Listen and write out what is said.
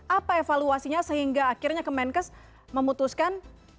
apa evaluasinya sehingga akhirnya kemenkes memutuskan